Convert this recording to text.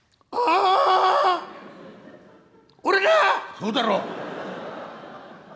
「そうだろう」。